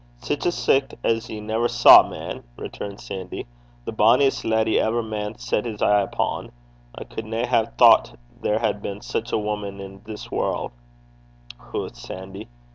'Sic a sicht as ye never saw, man,' returned Sandy; 'the bonniest leddy ever man set his ee upo'. I culd na hae thocht there had been sic a woman i' this warl'.' 'Hoot, Sandy!'